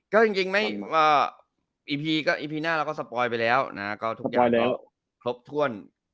ก็จริงอีพีหน้าเราก็สปอยไปแล้วก็ทุกอย่างก็ครบถ้วน